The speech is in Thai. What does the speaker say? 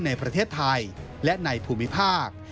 ในประเทศไทยและในภูมิภาค